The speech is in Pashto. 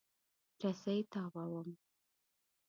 رسۍ تاووم.